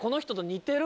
似てる！